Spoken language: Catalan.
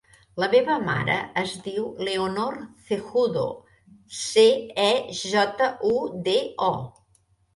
La meva mare es diu Leonor Cejudo: ce, e, jota, u, de, o.